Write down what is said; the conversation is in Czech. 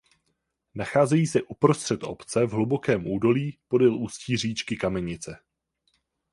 Nacházejí se uprostřed obce v hlubokém údolí podél ústí říčky Kamenice.